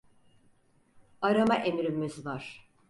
Arama emrimiz var.